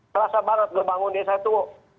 terasa banget ngebangun desa itu